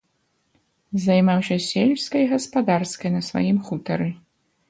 Займаўся сельскай гаспадарскай на сваім хутары.